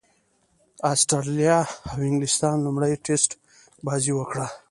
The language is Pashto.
اسټراليا او انګليستان لومړۍ ټېسټ بازي وکړه.